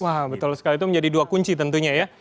wah betul sekali itu menjadi dua kunci tentunya ya